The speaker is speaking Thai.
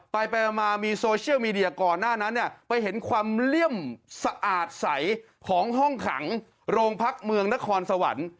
ไปไปมามีโซเชียลมีเดียก่อนหน้านั้นเนี่ยไปเห็นความเลี่ยมสะอาดใสของห้องขังโรงพักเมืองนครสวรรค์